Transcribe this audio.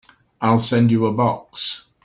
I'll send you a box.